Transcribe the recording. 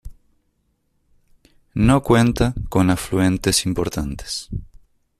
No cuenta con afluentes importantes.